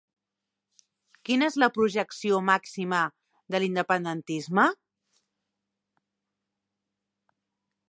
Quina és la projecció màxima de l'independentisme?